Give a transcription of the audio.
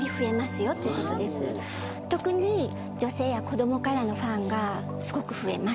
特に女性や子供からのファンがすごく増えますっていうことです。